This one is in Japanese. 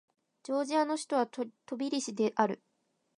ジョージアの首都はトビリシである